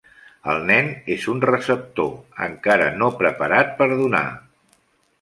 El nen és un receptor, encara no preparat per donar.